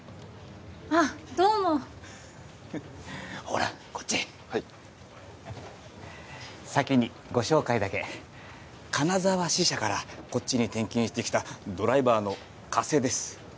あっどうもほらこっちはい先にご紹介だけ金沢支社からこっちに転勤してきたドライバーの加瀬です